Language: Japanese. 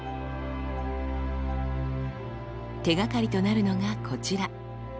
手がかりとなるのがこちら。